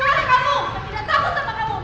pergi kamu dari sini pergi kamu